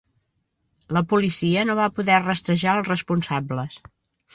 La policia no va poder rastrejar els responsables.